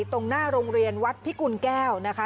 ตรงหน้าโรงเรียนวัดพิกุลแก้วนะคะ